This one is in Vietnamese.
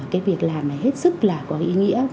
cái việc làm này hết sức là có ý nghĩa